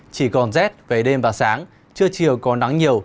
chỉ còn rét về đêm và sáng trưa chiều có nắng nhiều